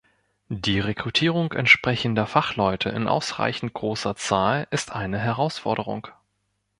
Die Rekrutierung entsprechender Fachleute in ausreichend großer Zahl ist eine Herausforderung.